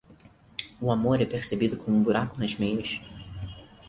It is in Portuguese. O amor é percebido como um buraco nas meias.